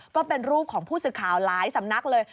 ก็เป็นรูปของผู้สื่อข่าวหลายสำนักเลย